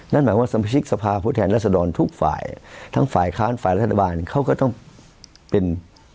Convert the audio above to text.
นั่นหมายว่าสมาชิกสภาพผู้แทนรัศดรทุกฝ่ายทั้งฝ่ายค้านฝ่ายรัฐบาลเขาก็ต้องเป็น